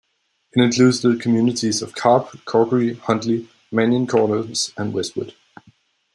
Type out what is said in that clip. It includes the communities of Carp, Corkery, Huntley, Manion Corners, and Westwood.